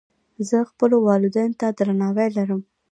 زه خپلو والدینو ته درناوی لرم.